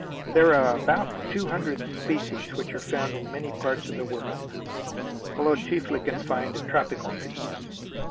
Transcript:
There are about two hundred species which are found in many parts of the world, although chiefly confined to tropical seas.